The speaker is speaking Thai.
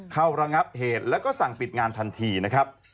ระงับเหตุแล้วก็สั่งปิดงานทันทีนะครับ